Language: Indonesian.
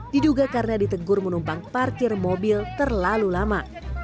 diduga karena ditegur menumpang parkir mobil terlalu lama